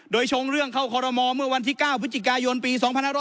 โดยชงเรื่องเข้าคอรมอเมื่อวันที่๙พฤศจิกายนปี๒๕๖๐